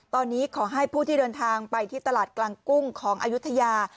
ตอนนี้ขอให้ผู้ที่เดินทางไปที่ตลาดกลางกุ้งของอายุทยา